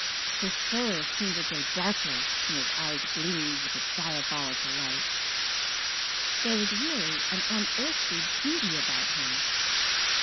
His fur seemed to grow darker and his eyes gleamed with a diabolical light. There was really an unearthly beauty about him.